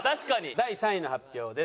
第３位の発表です。